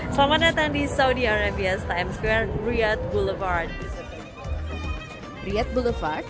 selamat datang di saudi arabia times square riyadh boulevard boulevard